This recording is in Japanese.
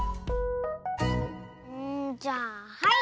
うんじゃあはい！